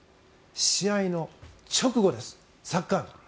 試合の直後です、サッカーの。